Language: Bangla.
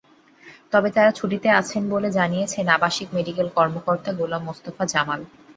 তবে তাঁরা ছুটিতে আছেন বলে জানিয়েছেন আবাসিক মেডিকেল কর্মকর্তা গোলাম মোস্তফা জামাল।